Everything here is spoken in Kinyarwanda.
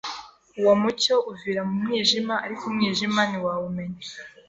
Uwo mucyo uvira mu mwijima ariko Umwijima ntiwawumenya